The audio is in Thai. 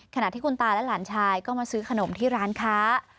ขณะที่คุณตาและหลานชายก็มาซื้อขนมที่ร้านค้า